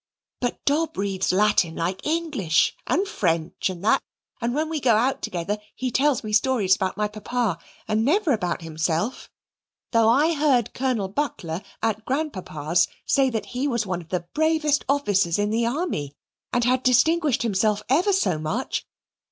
But Dob reads Latin like English, and French and that; and when we go out together he tells me stories about my Papa, and never about himself; though I heard Colonel Buckler, at Grandpapa's, say that he was one of the bravest officers in the army, and had distinguished himself ever so much.